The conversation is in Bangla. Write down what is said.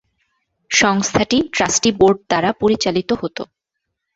সংস্থাটি ট্রাস্টি বোর্ড দ্বারা পরিচালিত হত।